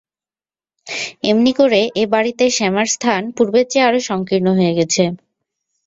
এমনি করে এ বাড়িতে শ্যামার স্থান পূর্বের চেয়ে আরো সংকীর্ণ হয়ে গেছে।